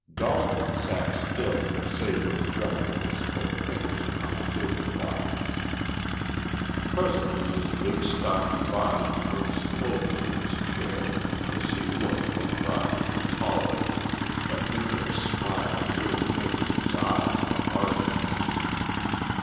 Dalton sat still save for the drumming of his thick fingers upon the table cloth. Presently his big stocky body turned slowly in his chair as he looked from Broderick to Pollard, the hint of a smile merely making his eyes the harder.